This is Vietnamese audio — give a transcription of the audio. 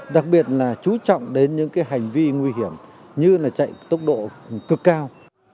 đặc biệt là chú trọng đến những hành vi nguy hiểm như là chạy tốc độ cực cao